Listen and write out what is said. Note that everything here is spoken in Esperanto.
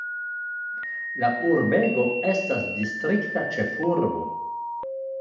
La urbego estas distrikta ĉefurbo.